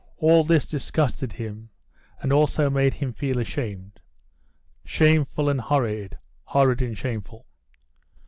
All this disgusted him, and also made him feel ashamed. "Shameful and horrid; horrid and shameful!"